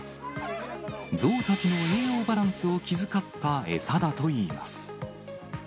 ゾウたちの栄養バランスを気遣った餌だといいます。